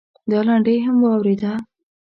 دا لنډۍ هم واورېده.